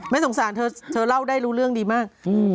สงสารเธอเธอเล่าได้รู้เรื่องดีมาก